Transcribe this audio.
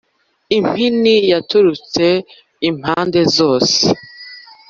Impini yaturutse impande zose,